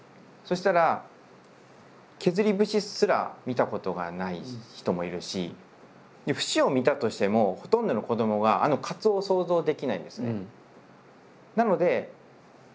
そしたら削り節すら見たことがない人もいるし節を見たとしてもほとんどの子どもがあの鰹を想像できないんですね。